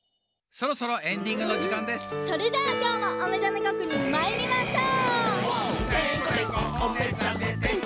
それではきょうもおめざめ確認まいりましょう！